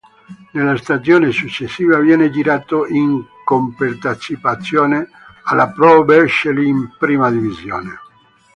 Nella stagione successiva, viene girato in compartecipazione alla Pro Vercelli, in Prima Divisione.